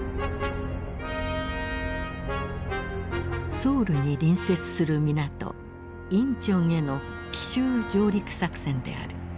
ソウルに隣接する港仁川への奇襲上陸作戦である。